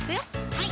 はい